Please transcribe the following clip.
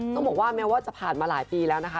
ต้องบอกว่าแม้ว่าจะผ่านมาหลายปีแล้วนะคะ